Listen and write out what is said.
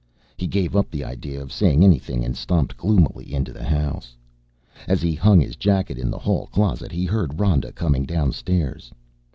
He gave up the idea of saying anything and stomped gloomily into the house. As he hung his jacket in the hall closet he heard Rhoda coming downstairs.